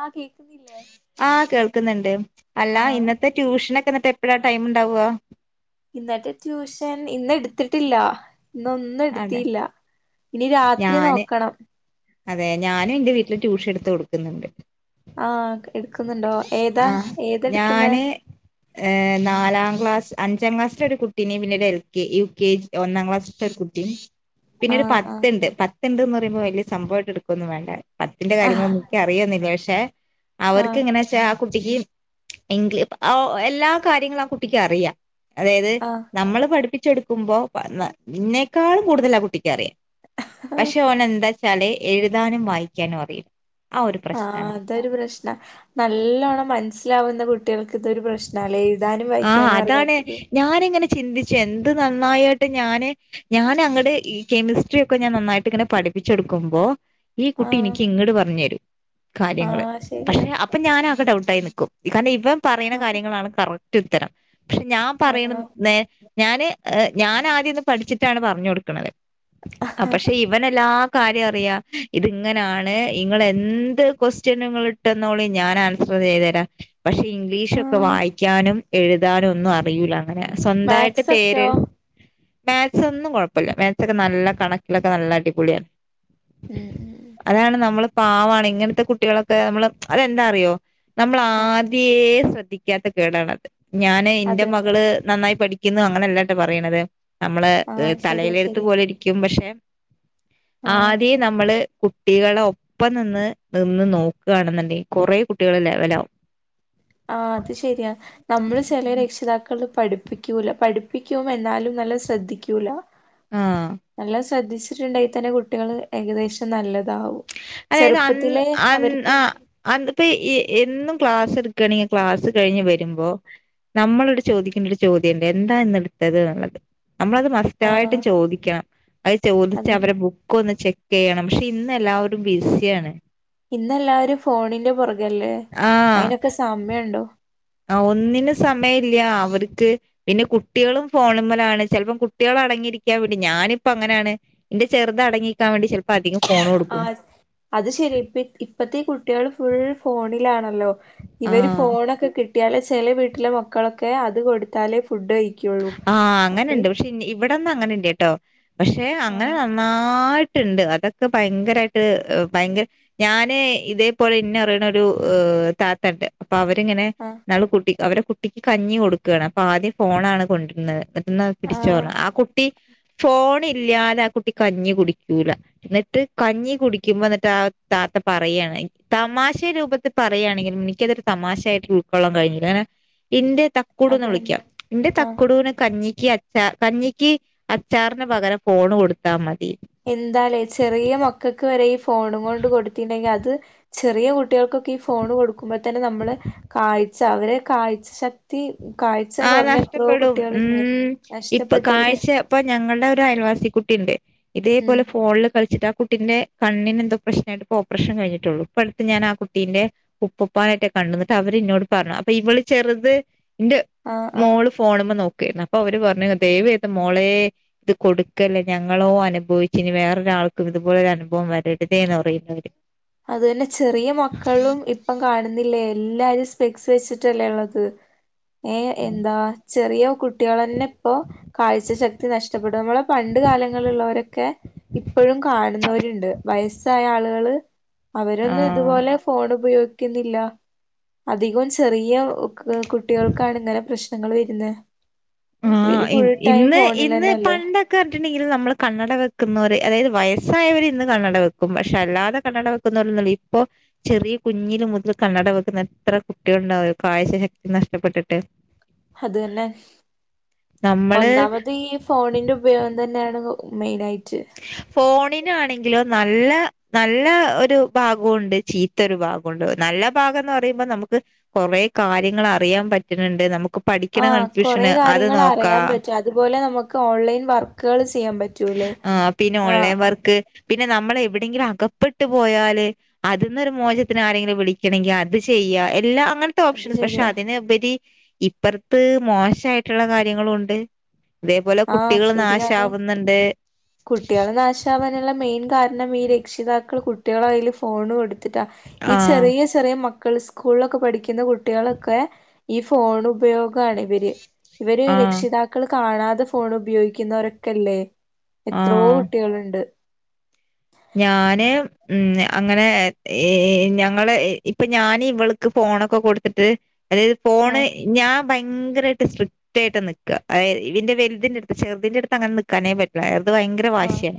ആഹ് കേൾക്കുന്നില്ലേ ആഹ് കേൾക്കുന്നുണ്ട് അല്ല ആഹ് ഇന്നത്തെ ട്യൂഷനൊക്കെ എന്നിട്ട് എപ്പഴാ ടൈം ഉണ്ടാവുവാ ഇന്നത്തെ ട്യൂഷൻ ഇന്ന് എടുത്തിട്ടില്ല ഇന്ന് ഒന്നും അതെ എടുത്തില്ല ഇനി രാത്രി ഞാന് നോക്കണം അതെ ഞാനും എന്റെ വീട്ടില് ട്യൂഷൻ എടുത്ത് കൊടുക്കുന്നുണ്ട് ആഹ് എടുക്കുന്നുണ്ടോ ഏതാ ആഹ് ഏതെടുക്കുന്നേ ഞാന് ഏഹ് നാലാംക്ലാസ് അഞ്ചാംക്ലാസ്സില ഒരു കുട്ടിനെയും പിന്നീട് എൽ കെ യു കെ ഒന്നാം ക്ലാസ്സില ഒരു കുട്ടി പിന്നെയൊരു ആഹ് പത്ത്ണ്ട് പത്ത്ണ്ട്ന്ന് പറയുമ്പോ വലിയ സംഭവമായിട്ട് എടുക്ക ഒന്നും വേണ്ട പത്തിന്റെ ആഹ് കാര്യങ്ങളൊന്നും എനിക്ക് അറിയാം ഒരു പക്ഷെ അവർക്ക് ആഹ് ഇങ്ങനെ പക്ഷെ ആ കുട്ടിക്ക് എല്ലാ കാര്യങ്ങളും ആ കുട്ടിക്ക് അറിയാം അതായത് ആഹ് നമ്മള് പഠിപ്പിച്ച് കൊടുക്കുമ്പോ എന്നക്കാളും കൂടുതൽ ആ കുട്ടിക്ക് അറിയാം ആഹ് പക്ഷെ ഓന് എന്ത് വെച്ചാലും എഴുതാനും വായിക്കാനും അറിയില്ല ആ ഒരു ആഹ് പ്രശ്നാണ് അതൊരു പ്രശ്ന നല്ലവണ്ണം മനസ്സിലാവുന്ന കുട്ടികൾക്ക് ഇതൊരു പ്രശ്നം അല്ലെ എഴുതാനും ആഹ് വായിക്കാനും അതാണ് അറിയാത്തത് ഞാനിങ്ങനെ ചിന്തിച്ചു എന്ത് നന്നായിട്ട് ഞാന് ഞാൻ അങ്ങടെ ഈ കെമിസ്ട്രി ഒക്കെ ഞാൻ നന്നായിട്ട് ഇങ്ങനെ പഠിപ്പിച്ച് കൊടുക്കുമ്പോ ഈ കുട്ടി ആഹ് എനിക്ക് ഇങ്ങോട് പറഞ്ഞ് തരും കാര്യങ്ങള് ആഹ് ശരിയാ പക്ഷെ അപ്പൊ ഞാന ആക്കെ ഡൗട്ടായി നി ൽക്കും കാരണം ഇവൻ പറയുന്ന കാര്യങ്ങളാണ് കറക്റ്റ് ഉത്തരം പക്ഷെ ഞാൻ ആഹ് പറയണത് ന്നേ ഞാൻ ആദ്യംന്ന് പഠിച്ചിട്ടാണ് പറഞ്ഞു കൊടുക്കണുന്നത് ആ പക്ഷെ ഇവൻെല്ലാ കാര്യം അറിയാ ഇത്ങ്ങനെയാണ് ഇങ്ങൾ എന്ത് ക്വസ്റ്റ്യൻ ഇട്ട ന്നോളി ഞാൻ ആൻസർ ചെയ്തുതരാം പക്ഷെ ഇംഗ്ലീഷൊക്കെ ആഹ് വായിക്കാനും എഴുതാനും ഒന്നും അറിയൂല അങ്ങനെ സ്വന്തായിട്ട് പേര് മാത്സൊക്കെയോ മാക്സ് ഒന്നും കുഴപ്പമില്ല മാക്സ് ഒക്കെ നല്ല കണക്കിലൊക്കെ നല്ല അടിപൊളിയാണ് ഉം ഉം അതാണ് നമ്മൾ പാവാണ് ഇങ്ങനത്തെ കുട്ടികളൊക്കെ നമ്മള് അതെന്താ അറിയോ നമ്മൾ ആഹ് ആദ്യം അതി ശ്രദ്ധിക്കാത്ത കേടാണത് ഞാന് അത് എന്റെ തന്നെ മകള് നന്നായി പഠ കിന്നു അങ്ങനെയല്ലട്ടെ പറയണത് നമ്മള് ആഹ് ശരിയാ തലയിലെടുത്ത് ശരിയാ പോലെ ഇരിക്കും പക്ഷെ ആഹ് ആദ്യം നമ്മള് കുട്ടികളെ ഒപ്പം നിന്ന് നിന്ന് നോക്കുകയാണെന്നുണ്ടെങ്കിൽ കൊറെ കുട്ടികൾ ലെവല ആകും ആ അത് ശരിയാ നമ്മള് ചെില രക്ഷിതാക്കൾ പഠിപ്പിക്കില്ല പഠിപ്പിക്കും എന്നാലും നല്ല ശ്രദ്ധിക്കൂല്ല ആഹ് നല്ല ശ്രദ്ധിച്ചിട്ടുണ്ടാക്കിൽ തന്നെ കുട്ടികൾ ഏകദേശം നല്ലതാവും അതെ ആയത് അന്ന് ചെറുപ്പത്തിലെ അന്ന് അവർക്ക് അ അന്ന ഇപ്പ എന്നും ക്ലാസ് എടുക്കുകയാണെങ്കിൽ ക്ലാസ് കഴിഞ്ഞ് വരുമ്പോ നമ്മളോട് ചോദിക്കണ്ട ഒരു ചോദ്യം ഉണ്ട് എന്താ ഇന്ന് എടുത്തത് എന്നുള്ളത് നമ്മളത് മറന്നു കൃത്യയിട്ടും ആഹ് ചോദിക്കണം അത് ചോദിച്ച് അവരെ അതന്നെ ബുക്ക് ഒന്ന് ചെക്ക് ചെയ്യണം പക്ഷെ ഇന്ന് എല്ലാവരും ബിസിയാണ് ഇന്നെല്ലാവരും ഫോണിന്റെ പുറകല്ലേ ആഹ് അയിനൊക്കെ സമയുണ്ടോ ആ ഒന്നിനന് സമയ ഇല്ല അവർക്ക് പിന്നെ കുട്ടികളും ഫോണുമ്മലാണ് ചിലപ്പം കുട്ടികൾ അടങ്ങിയിരിക്കാൻ വേണ്ടി ഞാനിപ്പ അങ്ങനെയാണ് എന്റെ ചെറുതടങ്ങിക്കാൻ വേണ്ട ചിലപ്പോൾ അധികം ഫോൺ ആ കൊടുക്കും അത് ശരി ഇപ്പ ഇപ്പത്തെ കുട്ടികൾ ഫുൾ ഫോണിലാണല്ലോ ഇവര് ആഹ് ഫോണൊക്കെ കിട്ടിയാല ചെല വീട്ടിലെ മക്കളൊക്കെ അത് കൊടുത്താലേ ഫുഡ് കഴിക്ക ആഹ അങ്ങനെുണ്ട് പക്ഷെ ഇവിടെന്ന് അങ്ങനെണ്ട് കേട്ടോ പക്ഷെ അങ്ങനെ ആഹ് നന്നായിട്ട് ണ്ട് അതൊക്കെ ഭയങ്കരമായിട്ട് ഭയങ്കര ഞാന് ഇതേപലെ ഇന്ന അറിയണ ഒരു താത്തണ്ട് അപ്പൊ അവരിങ്ങനെ ആഹ് നാള് കുട്ടി അവരെടെ കുട്ടിക്ക് കഞ്ഞി കൊടുക്കുകയാണ് അപ്പൊ ആദ്യം ഫോണണ് കൊണ്ടിരുന്നത് ന്നാ ആഹ് പിടിച്ചോണം ആ കുട്ടി ഫോൺ ഇല്ലാതെ ആ കുട്ടി കഞ്ഞി കുടിക്കൂല എന്നിട്ട് കഞ്ഞി കുടിക്കുമ്പോ എന്നിട്ട് ആ താത്ത പറയുകയാണ് തമാശ രൂപത്തി പറയുകയാണെങ്കിലും എനിക്കതൊരു തമാശായിട്ട് ഉൾക്കൊള്ളൻ കഴിഞ്ഞില്ല കങ്ങനെ ഇന്റെ താ കൂടന്ന് അതന്നെ വിളിക്കാം ഇന്റെ ആഹ് തക് ന് കഞ്ഞിക്ക് അച്ച കഞ്ഞിക്ക് അച്ചാറിന് പകരം ഫോണ് കൊടുത്താ മതി എന്താലേ ചെറിയ മക്കൾക്ക് വരെ ഈ ഫോണും കൊണ്ട് കൊടുത്തിണ്ടെങ്കിൽ അത് ചെറിയ കുട്ടികൾക്കൊക്കെ ഈ ഫോണ് കൊടുക്കുമ്പോ തന്നെ നമ്മള് കാഴ്ച അവരെ കാഴ്ച ശക്തി ത്തി കാഴ്ച ആഹ് കുറഞ്ഞ എത്രോ നഷ്ടപ്പെടും കുട്ടികളില്ലേ ഉം ഇപ്പൊ നഷ്ടപ്പെട്ടവര് കാഴ്ച ഇപ്പൊ ഞങ്ങളുടെ ഒരു അയൽവാസി കുട്ടി ഉണ്ട് ഉം ഇതേപോലെ ഫോണിൽ കളിച്ചിട്ട് ആ കുട്ടിന്റെ കണ്ണി എന്തോ പ്രശ്ന ആട്ട്പ്പപ്പോ ഓപ്പറേഷൻ കഴിഞ്ഞട്ടുള്ളു ഇപ്പ അടു ഞൻ ആ കുട്ടീന്റെ ഉപ്പപ്പാനായിട്ടെ കണ്ടന്നിട്ട് അവര്ന്നോട് പറഞ്ഞു അപ്പൊ ഇവള് ചെറുത് ഇന്റെ ആഹ് ആഹ് മോള് ഫോണുമ്പോ നോക്കരുന്നു അപ്പൊ അവര് പറഞ്ഞു ദൈവ ഏത് മോളെ ഇത് കൊടുക്കല്ലേ ഞങ്ങളോ അനുഭവിച്ച ഇനി വേറൊരാൾക്കും ഇതുപോലെ ഒരു അനുഭവം വരരുതേ എന്ന് പറയുന്നവ അത് തന്നെ ചെറിയ മക്കളും ഇപ്പം കാണുന്നില്ലേ എല്ലാരും സ്പെക്സ് വെച്ചിട്ടല്ലേ ഉള്ളത് ഏ എന്താ ചെറിയ കുട്ടി കുട്ടികൾ തന്നെ ഇപ്പോൊ കാഴ്ച ശക്തി നഷ്ടപ്പെടും നമ്മളെ പണ്ട് കാലങ്ങളിലുള്ളവരൊക്കെ ഇപ്പോഴും കാണുന്നവരുണ്ട് വയസ്സായ ആളുകള് അവരൊന്നും ആഹ് ഇതുപോലെ ഫോൺ ഉപയോഗിക്കുന്നില്ല അധികവും ചെറിയ കു കുട്ടികൾക്കാണ് ഇങ്ങനെ പ്രശ്നങ്ങൾ വരുന്നെ ആഹ് ഇന്ന് ഇന്ന് പണ്ട് കണ്ടിട്ടുണ്ടെങ്കിൽ നമ്മൾ കണ്ണട വെക്കുന്നവര് അതായത് വയസ്സായവര് ഇന്ന് കണ്ണട വെക്കും പക്ഷെ അല്ലാതെ കണട വെ വെക്കുന്നവരൊന്നുല്ല ഇപ്പൊ ചെറിയ കുഞ്ഞില് മുതൽ കണ്ണട വെക്കുന്ന എത്ര കുട്ടികൾ ഉണ്ടാവും കാഴ്ച ശക്തി നഷ്ടപ്പെട്ടിട്ട്. അത് തന്നെ നമ്മള് ഒന്നാമത് ഈ ഫോണിൻ്റെ ഉപയോഗം തന്നെയാണ് മെയിനായിട്ട്. ഫോണിനാണെങ്കിലോ നല്ല നല്ല ഒരു ഭാഗമുണ്ട് ചീ ത്തൊരു ഭാഗമുണ്ട് നല്ല ഭാഗം എന്ന് പറയുമ്പോൾ നമ്മുക്ക് കുറേ കാര്യങ്ങൾ അറിയാൻ പറ്റുന്നുണ്ട് നമ്മുക്ക് ആഹ് കൊറെ കാര്യങ്ങൾ അറിയാൻ പറ്റും അതുപോലെ നമ്മുക്ക് ഓൺലൈൻ വർക്കുകൾ ചെയ്യാൻ പറ്റൂല്ലേ. ആഹ് പിന്നെ ഓൺലൈൻ വർക്ക് പിന്നെ നമ്മൾ എവിടെയെങ്കിലും അകപ്പെട്ട് പോയാല് അതിന്നൊരു മോചത്തിന് ആരെങ്കിലും വിളിക്കണമെങ്കിൽ അത് ചെയ്യാ എല്ലാം അങ്ങനെ അത് ഓപ്ഷൻസ് പക്ഷെ ശരിയാ അതിനുപരി ഇപ്പറത്ത് മോശായിട്ടുള്ള കാര്യങ്ങളുണ്ട്. ഇതേപോലെ ആ കുട്ടികളും നാശം ആവുന്നുണ്ട്. കുട്ടികൾ നാശാവാനുള്ള മെയിൻ കാരണം ഈ രക്ഷിതാക്കൾ കുട്ടികളുടെ കൈയിൽ ഫോൺ കൊടു ത്തിട്ടാ ഈ ആ ചെറിയ ചെറിയ മക്കൾ സ്കൂളിലൊക്കെ പഠിക്കുന്ന കുട്ടികളൊക്കെ ഈ ഫോൺ ഉപയോഗമാണ് ഇവര് ഇവര് ആ രക്ഷിത ക്കൾ കാണാതെ ഫോൺ ഉപയോഗിക്കുന്നവരൊക്കെല്ലേ? ആ എത്രയോ കുട്ടികളുണ്ട്. ഞാന് ഉം അങ്ങനെ ഏ ഞങ്ങള ഇപ്പൊ ഞാന് ഇവൾ ക്ക് ഫോണൊക്കെ കൊടുത്തിട്ട് അതായത് ഫോണ് ആഹ് ഞാൻ ഭയങ്കര ആയിട്ട് സ്ഡ്രി ക്റ്റായിട്ട് നിക്കുകത ഇതിന്റെ വലുതിന്റെ അടുത്ത് ചെറുതിന്റെ അടുത്ത് അങ്ങനെ നിക്കാനേ പറ്റില്ല. ചെറുത് ഭയങ്ക ര ആഹ് വാശിയാ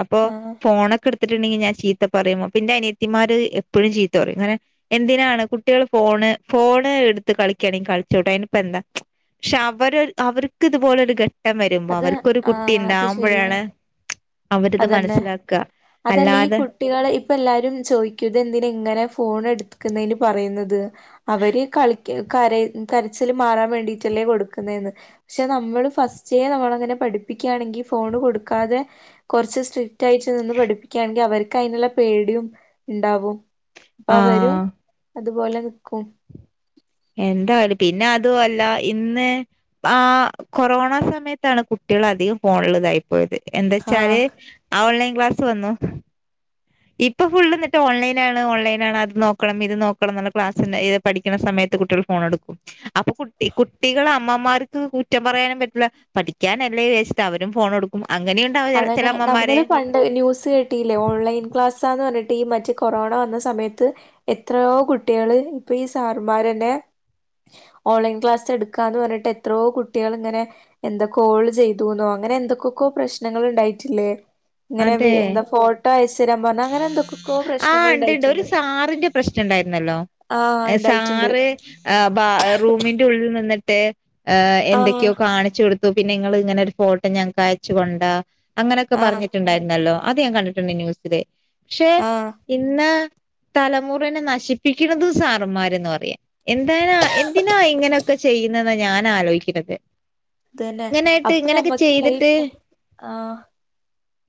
അപ്പൊ ആഹ് ഫോണൊക്കെ എടുത്തിട്ടുണ്ടെങ്കിൽ ഞാൻ ചീത്ത പറയുമോ പിന്നെ അനിയത്തിമാര് എപ്പോഴും ചീത്ത പറയുംങ്ങനെ എന്തിനാണ് കുട്ടികള് ഫോണ് ഫോണ് എടുത്ത് കളിക്കുകയാണെങ്കിൽ കളിച്ചോട്ടെ അതിനിപ്പംഎന്താ പക്ഷെ അവര് അവർക്ക് ഇതുപോലെരുഘ ഘട്ടം വരുമ്പോ അത് അവർക്കൊരു കുട്ടി ആഹ് അത് ശരിയാ ഉണ്ടാവുമ്പോഴാണ് അവരിത് അതന്നെ മനസ്സിലാക്ക അതല്ല ഈ കുട്ട കുട്ടികളെ ഇപ്പഎല്ലാവരും ചോദിക്കും ഇത് എന്തിനാ ഇങ്ങനെ ഫോൺ എടുത്തക്കുന്നതിന് പറയുന്നത്. അവര് കളി കര കരച്ചില് മാറാൻ വേണ്ടിട്ടല്ലേ കൊടുക്കുന്നേന്ന്. പക്ഷെ നമ്മള് ഫസ്റ്റ്ലേനമ്മളങ്ങനെ പഠിപ്പിക്കുകയാണെങ്കിൽ ഫോണ് കൊടുക്കാതെ കുറച്ച് സ്ട്രിക്ട് ആയിട്ട് നിന്ന് പഠിപ്പിക്കുകയാണെങ്കിൽ അവർക്ക് അതിനുള്ള പേടിയും ഉണ്ടാവും. അവരും ആഹ് അതുപോലെ നിക്കും. എന്താണ് പിന്നെ അതു അല്ല ഇന്ന് ആ കൊറോണ സമയത്താണ് കുട്ടികൾ അധികം ഫോണില് ഇതായി പോയത്. എന്താച്ചാല് ഓൺലൈൻ ക്ലാസ്സ് വന്നു. ഇപ്പൊ ഫുൾ എന്നിട്ട് ഓൺലൈനാണ് ഓൺലൈനാണ് അത് നോക്കണം ഇത് നോക്കണം എന്നുള്ള ക്ലാസ്സി ഇത് പഠിക്കുന്ന സമയത്ത് കുട്ടികൾ ഫോൺ എടുക്കും അപ്പൊ കുട്ടി കുട്ടികൾ അമ്മമാർക്ക് കുറ്റം പറയാനും പറ്റൂല്ല. പഠിക്കാൻ അല്ലേ വേചിട്ടു അവരും ഫോൺ എടുക്കും അങ്ങനെയ അതനെ നമ്മള് പണ്ട് ന്യൂസ് കേട്ട ട്ടില്ലേ ഓൺലൈൻ ക്ലാസ്സാന്ന് പറഞ്ഞിട്ട് ഈ മറ്റെ കൊറോണ വന്ന സമയത്ത് എത്രയോ കുട്ടികള് ഇപ്പൊ ഈ സാറുമാരു തന്നെ ഓൺലൈൻ ക്ലാസ് എടുകാന്ന് പറഞ്ഞിട്ട് എത്രയോകുട്ടികൾ ഇങ്ങനെ എന്തൊ കോള് ചെയ്തുന്നോ അങ്ങനെ എന്തൊക്കൊക്കോ പ്രശ്ന ശ്നങ്ങള് ഉണ്ടായിട്ടില്ലേ ഇങ്ങനെ അതെ എന്താ ഫോട്ടോഅയച്ചു തരാൻ പറഞ്ഞ് അങ്ങനെ എന്തൊക്ക ആഹ് ഉണ്ട്ണ്ട് ഒരു സാറിന്റെ പ്രശ്നം ഉണ്ടായിരുന്നല്ലോ. ആഹ് ഉണ്ടായിട്ടുണ്ട് സാറ് ആ ബ റൂമിന്റെ ഉള്ളിൽ നിന്നിട്ട് ആഹ് എന്തൊക്കെയോ കാണിച്ചു കൊടുത്ത് പിന്നെ നിങ്ങള് ഇങ്ങനെ ഒരു ഫോട്ടോ ഞങ്ങക്ക് അയച്ചുകൊണ്ടാ അങ്ങനെയൊക്കെ ആഹ് പറഞ്ഞിട്ടുണ്ടായിരുന്നല്ലോ അത് ഞാൻ കണ്ടിട്ട ണ്ട് ന്യൂസില് പക്ഷെ ആഹ് ഇന്ന് തലമുറനെ നശിപ്പിക്കണതും സാറന്മാരന്ന് പറയാ എന്താനാ എന്തിനാ ഇങ്ങനെയൊക്കെ ചെയ്യുന്നെന്നാ ഞാനാലോയിക്കണത് അതന്നെ ഇങ്ങനായിട്ട് അപ്പൊ ഇങ്ങനെയൊക്കെ നമ്മക്ക് ചെയ്തിട്ട് ലൈഫ് ആഹ്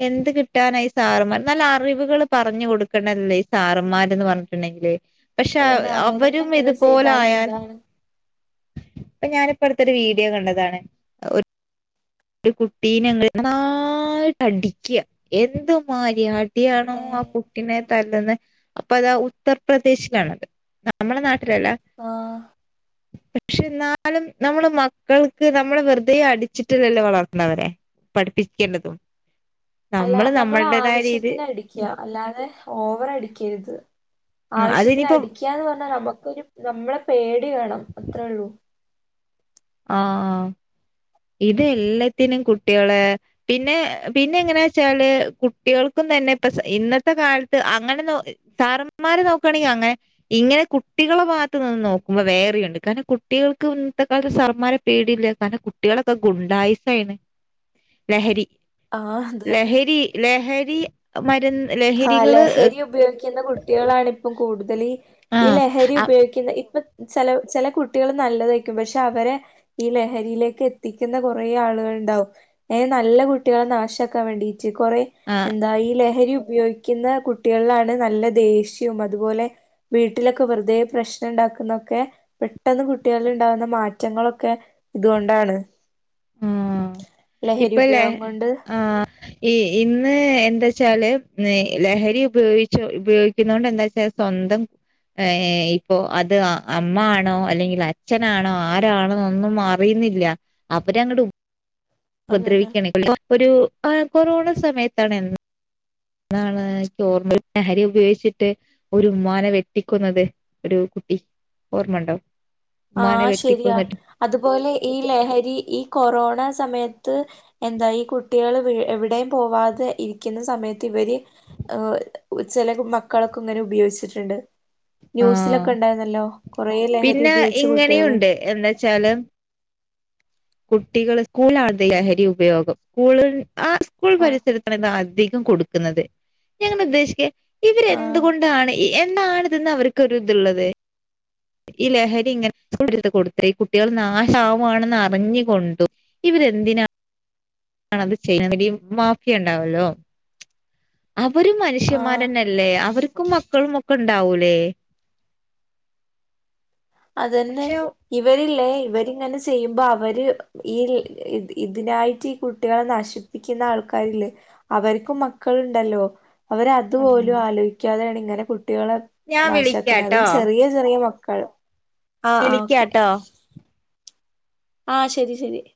എന്ത് കിട്ടാനായി സാറമാ നല്ല അറിവുകള് പർ പറഞ്ഞു കൊടുക്കല്ലേ ഈ സാറന്മാർന്ന് പറഞ്ഞിട്ടുണ്ടെങ്കില് പക്ഷെ അതന്നെ അവരന്നെ അവരും ഇങ്ങനെ ഇതുപോലെ ചെയ്താൽ ആയാൽ എന്താണ് ഇപ്പൊ ഞാനിപ്പ അടുത്തെരു വീഡിയോ കണ്ടതാണ്. കുട്ടിനെനന്നായിട്ട് അടിക്ക എന്ത് മാതിരി അടിയാണോ ആ ഏഹ് കുട്ടിനെ തല്ലന്ന് അപ്പൊ അതാ ഉത്തർപ്രദേശിലാണത് നമ്മുടെ നാട്ടിലല്ല ആഹ് പക്ഷെ ന്നാലും നമ്മള് മക്കൾക്ക് നമ്മള് വെറുതെ അടിച്ചിട്ടില്ലല്ലോ വളർത്തുന്നവരെ പഠിപ്പിക്കേണ്ടതും നമ്മൾ നമ്മളടേതായ രീതി ക്യാ അല്ലാതെ ഓവർ അടിക്കരുത് ആവശ്യത്തിന് അടിക് അതിനിപ്പം ടിക്കാന്ന് പറഞ്ഞാ നമുക്കരു നമ്മളെ പേടി വേണം അത്രേ ഒള്ളൂ ആഹ് ഇത് എല്ലത്തിനും കുട്ടിയാള് പിന്നെ പിന്നെ എങ്ങനാ വെച്ചാല് കുട്ടികൾക്കും തന്നെ ഇപ്പ ഇന്നത്തെ കാലത്ത് അങ്ങനൊന്നു സാറന്മാരെ നോക്കണെങ്കി അങ്ങെ ഇങ്ങനെ കുട്ടികളെ ഭാഗത്ത് നിന്ന് നോക്കുമ്പോ വേറെയുണ്ട് കാരണം കുട്ടികൾക്ക് ഇന്നത്തെ കാലത്ത് സർപ് മാരെ പേടില്ലേ കാരണം കുട്ടികളൊക്കെ ഗുണ്ടായുസായിണ് ലഹരി ആഹ് അത് തന്നെ ലഹരി ലഹരി മരുന്ന് ആഹ് ലഹരികള് ലഹരി ഉപയോഗിക്കുന്ന കുട്ടിയാളാണ് ഇപ്പം കൂടുതൽ ആ ഈ ലഹരി ആ ഉപയോക്കുന്ന ഇപ്പ ചെല ചെല കുട്ടിയോൾ നല്ലതായിരിക്കും പക്ഷെ അവരെ ഈ ലഹരിലേക്ക് എത്തിക്കുന്ന കൊറേ ആളുകണ്ടാവും എ നല്ല കുട്ടികളെ നാശാക്കാൻ വേണ്ടീട്ട് കൊറെ ആ എന്താ ഈ ലഹരി ഉപയോഗിക്കുന്ന കുട്ടികളിലാണ് നല്ല ദേഷ്യവും അതുപോലെ വീട്ടിലൊക്കെ വെറുതെ പ്രശ്നാണ്ടാക്കുന്നൊക്കെ പെട്ടെന്ന് കുട്ടികളിൽ ഇണ്ടാവുന്ന മാറ്റങ്ങളൊക്കെ ഇതുകൊണ്ടാണ് ആഹ് ലഹരി ഇപ്പല്ലേ ഉപയോഗം കൊണ്ട് ആഹ് ഈ ഇന്ന് എന്താച്ചാല് ലഹരി ഉപയോഗിച്ച ഉപയോഗിക്കുന്നൊണ്ട് എന്താച്ചാൽ സ്വന്തം ഏ ഇപ്പോ അത് അമ്മ ആണോ അല്ലെങ്കിൽ അച്ഛനാണോ ആരാണോെന്നൊന്നും മാർ അറിയുന്നില്ല ഇവരങ്ങട് അതന്നെ ഉപദ്രവിക്കണ് ഒരു കൊറോണ സമയത്താണ് എന്ത് ന്താണ് ചോർമ്മ ലഹരി ഉപയോഗിച്ചിട്ട് ഒരു ഉമ്മാന വെട്ടിക്കൊന്നത് ഒരു കുട്ടി ഓർമ്മണ്ടോ ഉമ്മാനെ ആഹ് ശരിയാ വെട്ടിക്കൊന്നിട്ട് അതുപോലെ ഈ ലഹരി ഈ കൊറോണ സമയത്ത് എന്താ ഈ കുട്ടിള് എവിടെയും പോവാതെ ഇരിക്കുന്ന സമയത്ത് ഇവര് ചെല മക്കളൊക്കെ ഇങ്ങനെ ഉപയോഗിച്ചിട്ട്ണ്ട് ആഹ് ന്യൂസിലൊക്കെ ഇണ്ടായിന്നല്ലോ കൊറേ ലഹരി പിന്നെ ഉപയോഗിച്ചി ഇങ്ങനെയുണ്ട് എന്താച്ചാല് കുട്ടികൾ സ്കൂൾണ്ത് ലഹരി ഉപയോഗം സ്കൂൾ ആ സ്കൂൾ ആഹ് പരിസരത്ത് ഇതധികം കൊടുക്കുന്നത് ഞാൻ ഉദ്ദേശിക്ക ആഹ് ഇവരെന്തുകൊണ്ടാണ് എന്നാണ് ഇതിന്ന് അവർക്കൊരു ഇത്ള്ളത് ഈ ലഹരി ഇങ്ങനെ സ്കു എടുത്ത് കൊടുത്തി ഈ കുടട്യൾ നാശാ വു വാണെന്ന് അറിഞ് കൊണ്ട് ഇവരന്തിനാ ആണത് ചെയ്യണത് ഈ മാഫിയ ഇണ്ടാവലോ അവരും ആഹ് മനുഷ്യമാരനല്ലേ അവർക്കും മക്കളും ഒക്കെ ഇണ്ടാവൂലേ അതെന്നെ പക്ഷെ ഇവരില്ലേ ഇവരിങ്ങനെ ചെയ്യുമ്പോ അവര് ഈ ഇത് ഇതിനായിട്ട് ഈ കുട്ടിയാളെ നശിപ് യ്ക്കുന്ന ആൾക്കാരില്ലേ അവർക്കും മക്കളുണ്ടല്ലോ ഉം അവരതുപോലും ആലോയ്ക്കാതെണ് ഇങ്ങനെ കുട്ടികളെ ഞാൻ നാഷാക്കുന്നത് അതും വിളിക്കാട്ടോ ചെറിയ ചെറിയ മക്കൾ ആഹ് ആഹ് ഓക്കെ വിളിക്കാട്ടോ ആഹ് ശരി ശരി